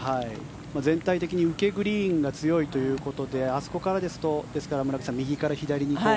全体的に受けグリーンが強いということであそこからですとですから村口さん右から左へと。